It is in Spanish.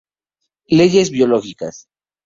Leyes Biológicas.